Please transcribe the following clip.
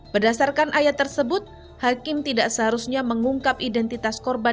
berdasarkan ayat tersebut hakim tidak seharusnya mengungkap identitas korban